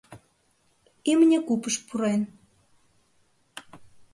Имне купыш пурен.